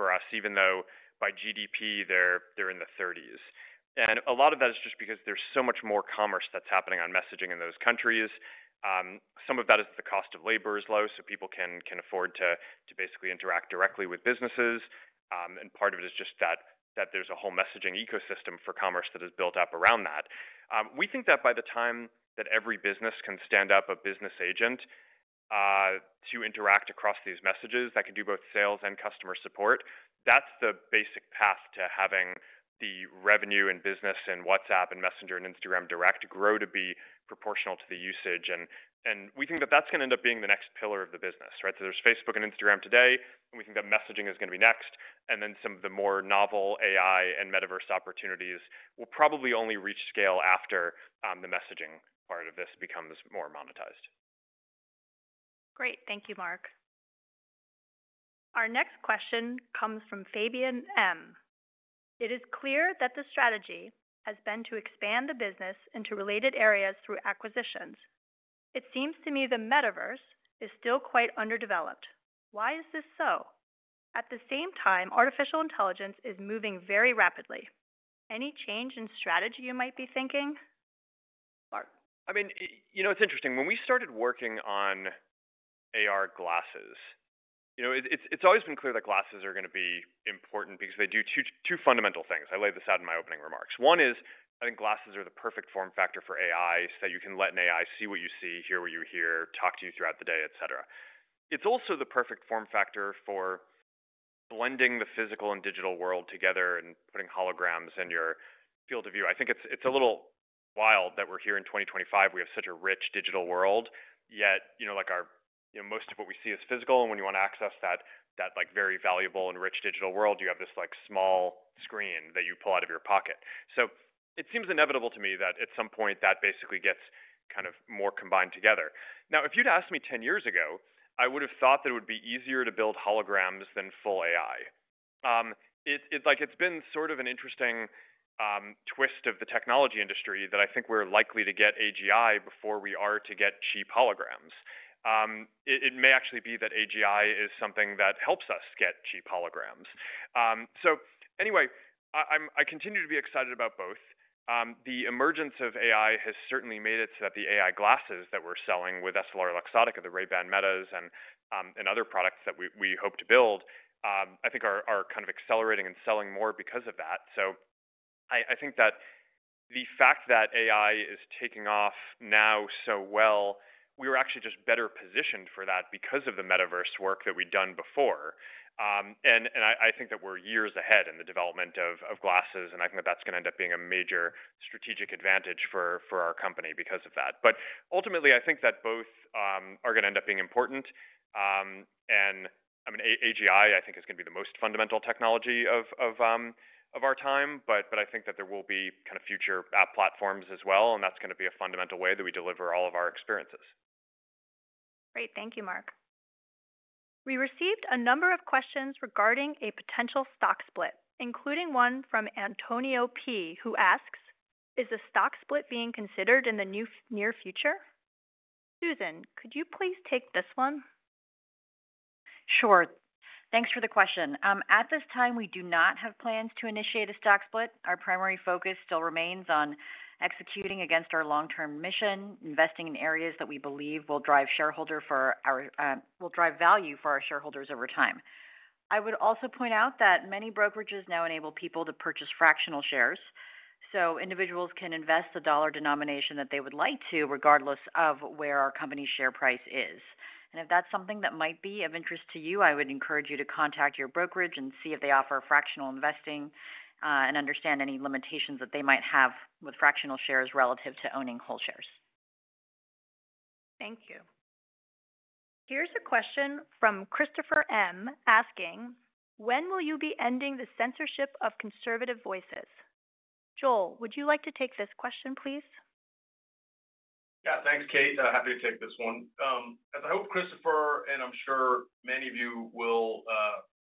for us, even though by GDP, they are in the 30s. A lot of that is just because there's so much more commerce that's happening on messaging in those countries. Some of that is that the cost of labor is low, so people can afford to basically interact directly with businesses. Part of it is just that there's a whole messaging ecosystem for commerce that is built up around that. We think that by the time that every business can stand up a business agent to interact across these messages that can do both sales and customer support, that's the basic path to having the revenue and business in WhatsApp and Messenger and Instagram direct grow to be proportional to the usage. We think that that's going to end up being the next pillar of the business, right? There is Facebook and Instagram today, and we think that messaging is going to be next. Some of the more novel AI and metaverse opportunities will probably only reach scale after the messaging part of this becomes more monetized. Great. Thank you, Mark. Our next question comes from Fabian M. It is clear that the strategy has been to expand the business into related areas through acquisitions. It seems to me the metaverse is still quite underdeveloped. Why is this so? At the same time, artificial intelligence is moving very rapidly. Any change in strategy you might be thinking? I mean, you know, it's interesting. When we started working on AR glasses, it's always been clear that glasses are going to be important because they do two fundamental things. I laid this out in my opening remarks. One is, I think glasses are the perfect form factor for AI so that you can let an AI see what you see, hear what you hear, talk to you throughout the day, et cetera. It's also the perfect form factor for blending the physical and digital world together and putting holograms in your field of view. I think it's a little wild that we're here in 2025. We have such a rich digital world, yet like most of what we see is physical. When you want to access that very valuable and rich digital world, you have this small screen that you pull out of your pocket. It seems inevitable to me that at some point that basically gets kind of more combined together. Now, if you'd asked me 10 years ago, I would have thought that it would be easier to build holograms than full AI. It's been sort of an interesting twist of the technology industry that I think we're likely to get AGI before we are to get cheap holograms. It may actually be that AGI is something that helps us get cheap holograms. Anyway, I continue to be excited about both. The emergence of AI has certainly made it so that the AI glasses that we're selling with EssilorLuxottica, the Ray-Ban Meta Smart Glasses, and other products that we hope to build, I think are kind of accelerating and selling more because of that. I think that the fact that AI is taking off now so well, we were actually just better positioned for that because of the metaverse work that we'd done before. I think that we're years ahead in the development of glasses, and I think that that's going to end up being a major strategic advantage for our company because of that. Ultimately, I think that both are going to end up being important. I mean, AGI, I think, is going to be the most fundamental technology of our time, but I think that there will be kind of future app platforms as well, and that's going to be a fundamental way that we deliver all of our experiences. Great. Thank you, Mark. We received a number of questions regarding a potential stock split, including one from Antonio P., who asks, "Is a stock split being considered in the near future?" Susan, could you please take this one? Sure. Thanks for the question. At this time, we do not have plans to initiate a stock split. Our primary focus still remains on executing against our long-term mission, investing in areas that we believe will drive value for our shareholders over time. I would also point out that many brokerages now enable people to purchase fractional shares, so individuals can invest the dollar denomination that they would like to, regardless of where our company's share price is. If that's something that might be of interest to you, I would encourage you to contact your brokerage and see if they offer fractional investing and understand any limitations that they might have with fractional shares relative to owning whole shares. Thank you. Here's a question from Christopher M., asking, "When will you be ending the censorship of conservative voices?" Joel, would you like to take this question, please? Yeah, thanks, Kate. Happy to take this one. As I hope Christopher, and I'm sure many of you will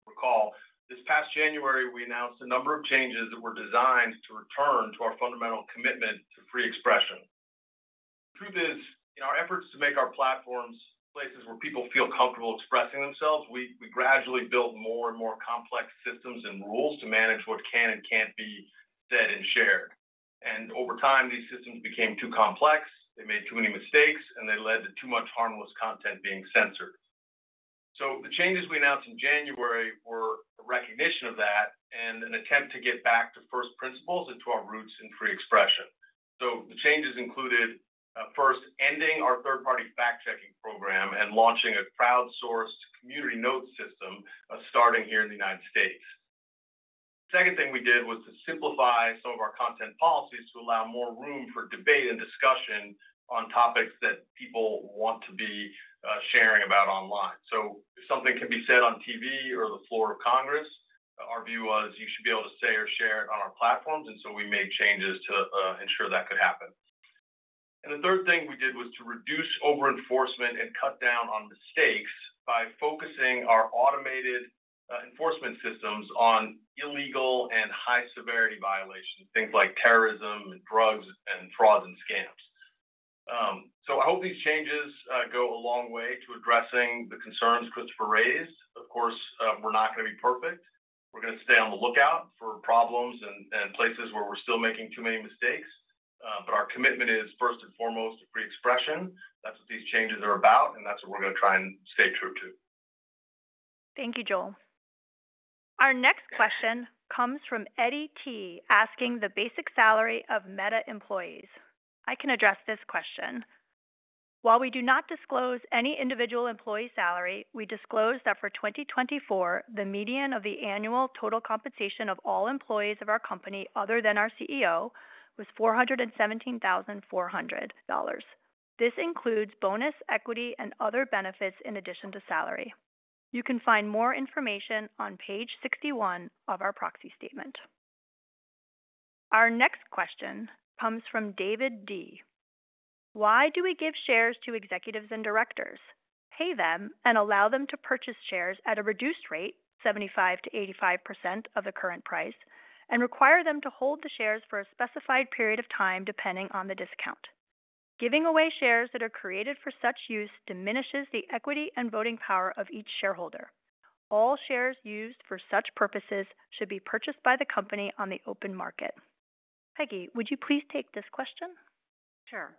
recall, this past January, we announced a number of changes that were designed to return to our fundamental commitment to free expression. The truth is, in our efforts to make our platforms places where people feel comfortable expressing themselves, we gradually built more and more complex systems and rules to manage what can and can't be said and shared. Over time, these systems became too complex, they made too many mistakes, and they led to too much harmless content being censored. The changes we announced in January were a recognition of that and an attempt to get back to first principles and to our roots in free expression. The changes included first ending our third-party fact-checking program and launching a crowdsourced community notes system starting here in the United States. The second thing we did was to simplify some of our content policies to allow more room for debate and discussion on topics that people want to be sharing about online. If something can be said on TV or the floor of Congress, our view was you should be able to say or share it on our platforms. We made changes to ensure that could happen. The third thing we did was to reduce over-enforcement and cut down on mistakes by focusing our automated enforcement systems on illegal and high-severity violations, things like terrorism and drugs and frauds and scams. I hope these changes go a long way to addressing the concerns Christopher raised. Of course, we're not going to be perfect. We're going to stay on the lookout for problems and places where we're still making too many mistakes. Our commitment is first and foremost to free expression. That's what these changes are about, and that's what we're going to try and stay true to. Thank you, Joel. Our next question comes from Eddie T., asking the basic salary of Meta employees. I can address this question. While we do not disclose any individual employee salary, we disclose that for 2024, the median of the annual total compensation of all employees of our company other than our CEO was $417,400. This includes bonus, equity, and other benefits in addition to salary. You can find more information on page 61 of our proxy statement. Our next question comes from David D. Why do we give shares to executives and directors, pay them, and allow them to purchase shares at a reduced rate, 75%-85% of the current price, and require them to hold the shares for a specified period of time depending on the discount? Giving away shares that are created for such use diminishes the equity and voting power of each shareholder. All shares used for such purposes should be purchased by the company on the open market. Peggy, would you please take this question? Sure.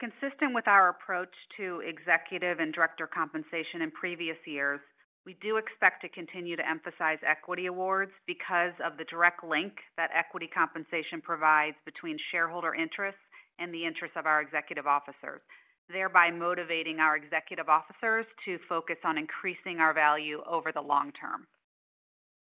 Consistent with our approach to executive and director compensation in previous years, we do expect to continue to emphasize equity awards because of the direct link that equity compensation provides between shareholder interests and the interests of our executive officers, thereby motivating our executive officers to focus on increasing our value over the long term.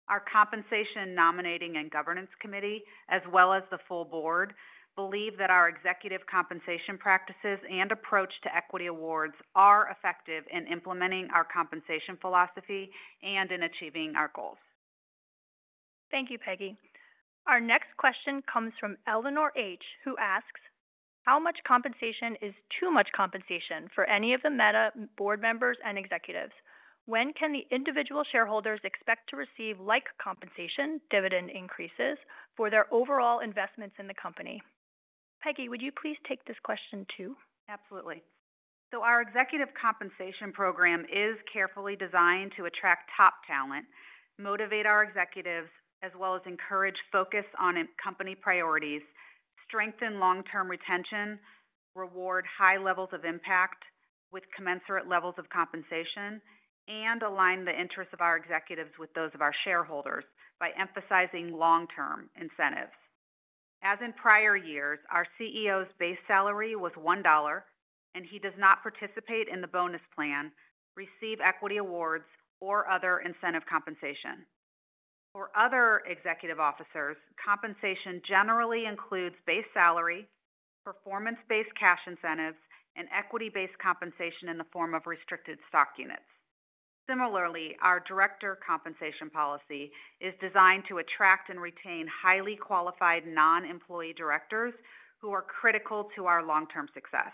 Our Compensation, Nominating, and Governance Committee, as well as the full board, believe that our executive compensation practices and approach to equity awards are effective in implementing our compensation philosophy and in achieving our goals. Thank you, Peggy. Our next question comes from Eleanor H., who asks, "How much compensation is too much compensation for any of the Meta board members and executives? When can the individual shareholders expect to receive like compensation, dividend increases for their overall investments in the company?" Peggy, would you please take this question too? Absolutely. Our executive compensation program is carefully designed to attract top talent, motivate our executives, as well as encourage focus on company priorities, strengthen long-term retention, reward high levels of impact with commensurate levels of compensation, and align the interests of our executives with those of our shareholders by emphasizing long-term incentives. As in prior years, our CEO's base salary was $1, and he does not participate in the bonus plan, receive equity awards, or other incentive compensation. For other executive officers, compensation generally includes base salary, performance-based cash incentives, and equity-based compensation in the form of restricted stock units. Similarly, our director compensation policy is designed to attract and retain highly qualified non-employee directors who are critical to our long-term success.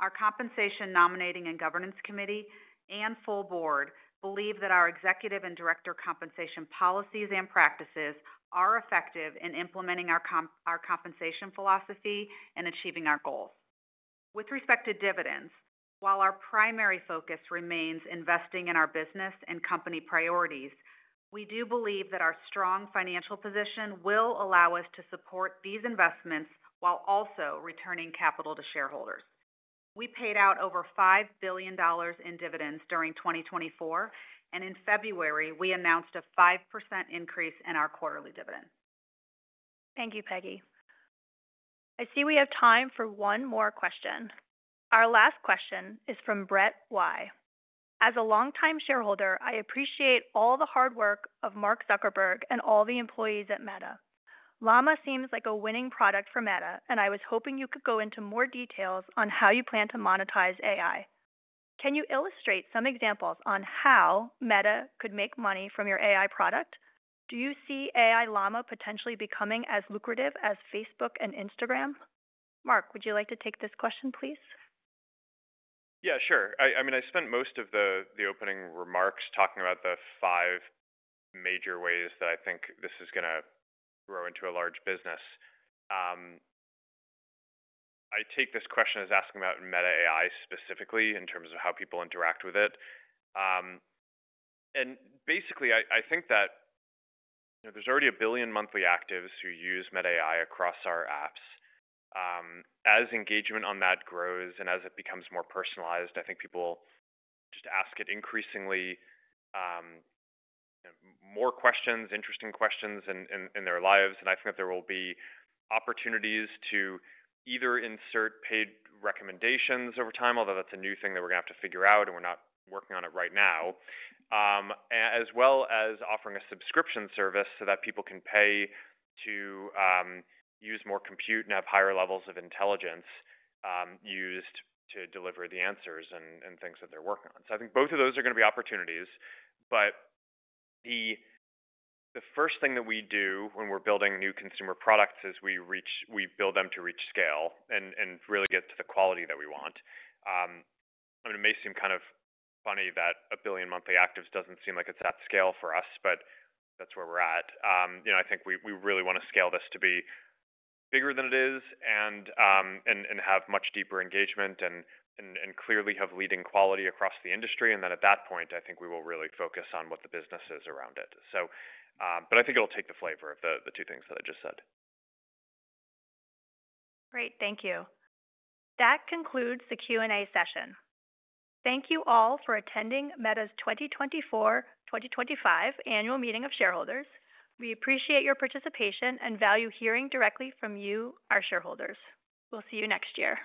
Our Compensation, Nominating, and Governance Committee and full board believe that our executive and director compensation policies and practices are effective in implementing our compensation philosophy and achieving our goals. With respect to dividends, while our primary focus remains investing in our business and company priorities, we do believe that our strong financial position will allow us to support these investments while also returning capital to shareholders. We paid out over $5 billion in dividends during 2024, and in February, we announced a 5% increase in our quarterly dividend. Thank you, Peggy. I see we have time for one more question. Our last question is from Brett Y. "As a longtime shareholder, I appreciate all the hard work of Mark Zuckerberg and all the employees at Meta. Llama seems like a winning product for Meta, and I was hoping you could go into more details on how you plan to monetize AI. Can you illustrate some examples on how Meta could make money from your AI product? Do you see AI Llama potentially becoming as lucrative as Facebook and Instagram?" Mark, would you like to take this question, please? Yeah, sure. I mean, I spent most of the opening remarks talking about the five major ways that I think this is going to grow into a large business. I take this question as asking about Meta AI specifically in terms of how people interact with it. Basically, I think that there's already a billion monthly actives who use Meta AI across our apps. As engagement on that grows and as it becomes more personalized, I think people just ask it increasingly more questions, interesting questions in their lives. I think that there will be opportunities to either insert paid recommendations over time, although that's a new thing that we're going to have to figure out, and we're not working on it right now, as well as offering a subscription service so that people can pay to use more compute and have higher levels of intelligence used to deliver the answers and things that they're working on. I think both of those are going to be opportunities. The first thing that we do when we're building new consumer products is we build them to reach scale and really get to the quality that we want. I mean, it may seem kind of funny that a billion monthly actives doesn't seem like it's at scale for us, but that's where we're at. I think we really want to scale this to be bigger than it is and have much deeper engagement and clearly have leading quality across the industry. At that point, I think we will really focus on what the business is around it. I think it'll take the flavor of the two things that I just said. Great. Thank you. That concludes the Q&A session. Thank you all for attending Meta's 2024-2025 Annual Meeting of Shareholders. We appreciate your participation and value hearing directly from you, our shareholders. We'll see you next year.